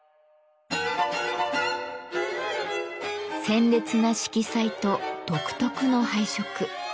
鮮烈な色彩と独特の配色。